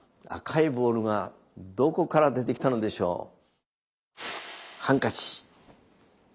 赤いボールがどこから出てきたのでしょう？